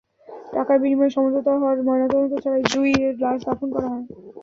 টাকার বিনিময়ে সমঝোতা হওয়ায় ময়নাতদন্ত ছাড়াই জুঁইয়ের লাশ দাফন করা হয়।